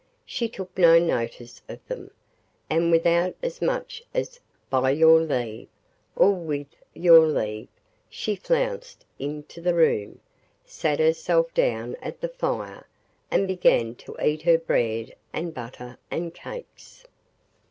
She took no notice of them, and without as much as 'By your leave,' or 'With your leave,' she flounced into the room, sat herself down at the fire, and began to eat her bread and butter and cakes.